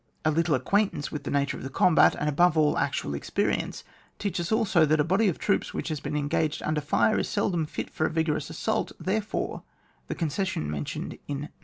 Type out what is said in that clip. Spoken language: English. A little acquaintance with the nature of the combat, and, above all, ac:tual experience, teach us also that a body of troops which has been engaged under fire is seldom fit for a vigorous assault Therefore, the concession men tioned in No.